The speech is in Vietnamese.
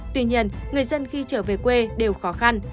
tuy nhiên người dân khi trở về quê đều khó khăn